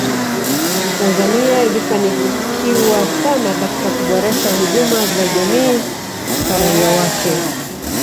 Tanzania ilifanikiwa sana katika kuboresha huduma za jamii kwa raia wake